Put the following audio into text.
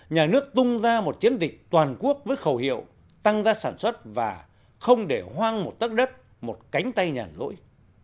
nhà nước tung ra một chiến dịch toàn quốc với khẩu hiệu tăng gia sản xuất và không để hoang một tất đất một cánh tay nhàn lỗi